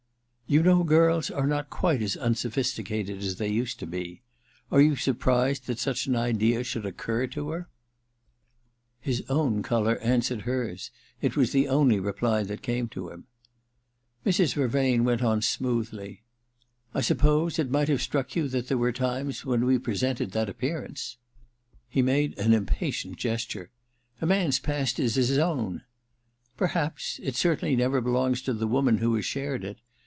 *You know girls are not quite as unso phisticated as they used to be. Are you surprised that such an idea should occur to her }' His own colour answered hers : it was the only reply that came to him. Mrs. Vervain went on smoothly ;* I supposed T 274 THE DILETTANTE it might have struck you that there were times when we presented that appearance/ He made an impatient gesture. ^A man's ; past is his own !'* Perhaps — ^it certwnly never belongs to the f woman who has shared it.